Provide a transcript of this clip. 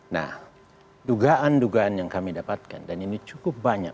nah dugaan dugaan yang kami dapatkan dan ini cukup banyak